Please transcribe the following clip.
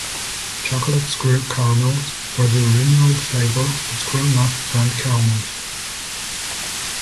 Chocolate Squirrel caramels were the original flavor of Squirrel Nut brand caramels.